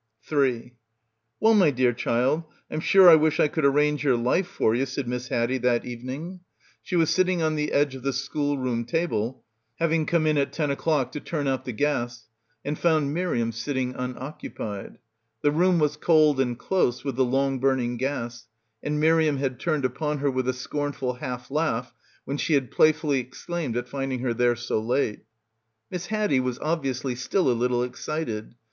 3 "Well, my dear child, Pm sure I wish I could arrange your life for ye," said Miss Haddie that ^163 — PILGRIMAGE : evening. She was sitting on the edge of the schoolroom table, having come in at ten o'clock to turn out the gas and found Miriam sitting unoccupied. The room was cold and close with the long burning gas, and Miriam had turned upon her with a scornful half laugh when she had playfully exclaimed at finding her there so late. Miss Haddie was obviously still a little excited.